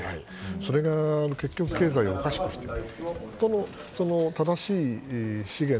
それが結局経済をおかしくしてる。